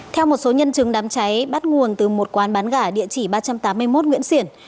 theo một số nhân chứng đám cháy bắt nguồn từ một quán bán gà địa chỉ ba trăm tám mươi một nguyễn xiển